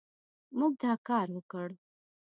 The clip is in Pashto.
موږ دا کار وکړ